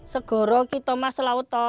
segera kita mas selalu tahu